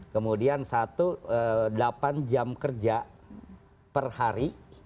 kemudian satu delapan jam kerja per hari